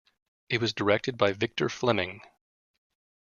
It was directed by Victor Fleming.